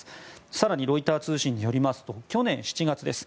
更に、ロイター通信によりますと去年７月です。